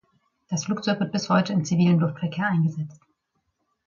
Das Flugzeug wird bis heute im zivilen Luftverkehr eingesetzt.